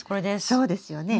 そうですよね。